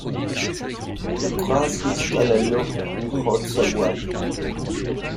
Foucras s'installe alors en Haute-Savoie.